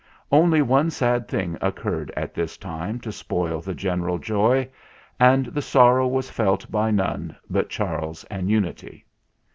Only one sad thing occurred at this time to spoil the general joy, and the sorrow was felt by none but Charles and Unity.